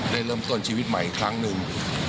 เริ่มต้นชีวิตใหม่อีกครั้งหนึ่ง